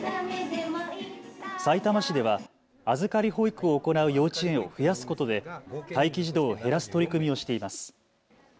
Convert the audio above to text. さいたま市では預かり保育を行う幼稚園を増やすことで待機児童を減らす取り組みをしています。